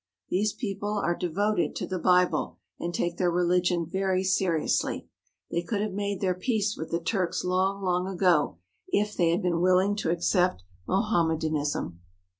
These people are devoted to the Bible, and take their religion very seriously. They could have made their peace with the Turks long, long ago if they had been willing to accept Mohammedanism.